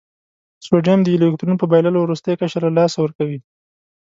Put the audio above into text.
سوډیم د یو الکترون په بایللو وروستی قشر له لاسه ورکوي.